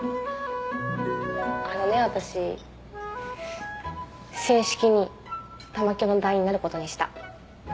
あのね私正式に玉響の団員になることにした。